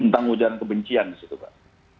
tentang ujian kebencian disitu mbak